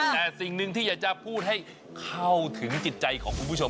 แต่สิ่งหนึ่งที่อยากจะพูดให้เข้าถึงจิตใจของคุณผู้ชม